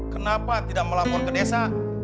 kenapa tidak melapor ke desa